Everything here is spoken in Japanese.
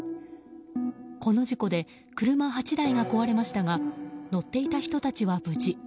この事故で車８台が壊れましたが乗っていた人たちは無事。